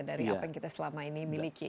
dari apa yang kita selama ini miliki